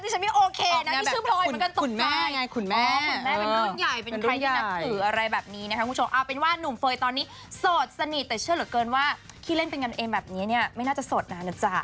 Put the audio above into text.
ตอนนี้คือแชทว่างนะฮะ